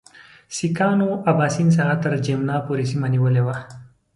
سیکهانو اباسین څخه تر جمنا پورې سیمه نیولې وه.